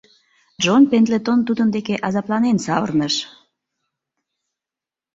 Джон Пендлетон тудын деке азапланен савырныш: